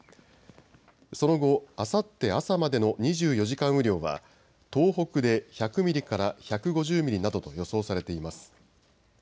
その後、あさって朝までの２４時間雨量は東北で１００ミリから１５０ミリなどと予想されています。